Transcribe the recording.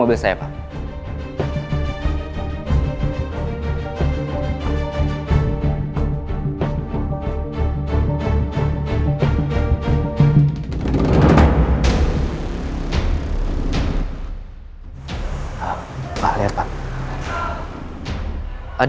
menggunakan sim happiness